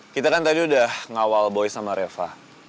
kita kan tadi udah ngawal boy sama reva